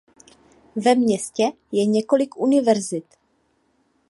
Ve městě je několik univerzit.